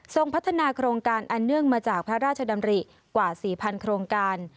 พัฒนาโครงการอันเนื่องมาจากพระราชดำริกว่า๔๐๐โครงการ